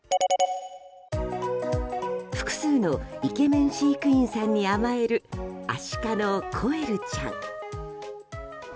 複数のイケメン飼育員さんに甘えるアシカのコエルちゃん。